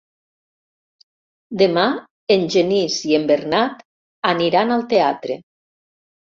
Demà en Genís i en Bernat aniran al teatre.